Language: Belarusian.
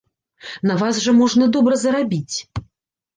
На вас жа можна добра зарабіць.